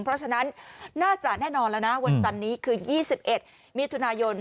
เพราะฉะนั้นน่าจะแน่นอนแล้วนะวันจันนี้คือ๒๑มิถุนายน